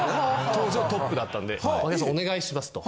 当時はトップだったんで牧原さんお願いしますと。